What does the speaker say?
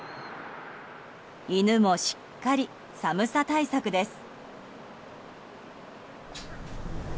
犬も、しっかり寒さ対策です。